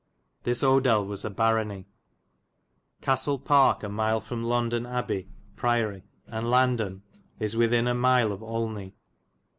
This Odel was a barony. Castel Parke a myle from Laundon'^ Abbay [priory], and Landon is withyn a myle [of] Olney.